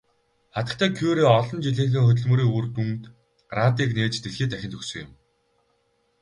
Хатагтай Кюре олон жилийнхээ хөдөлмөрийн үр дүнд радийг нээж дэлхий дахинд өгсөн юм.